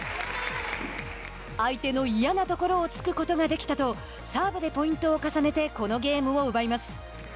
相手の嫌なところを突くことができたとサーブでポイントを重ねてこのゲームを奪います。